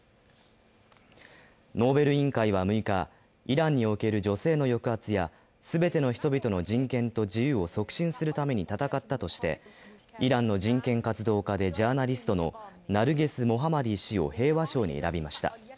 ノーベル委員会は６日、イランにおける女性の抑圧や全ての人々の人権と自由を促進するために闘ったとしてイランの人権活動家でジャーナリストのナルゲス・モハマディ氏を平和賞に選びました。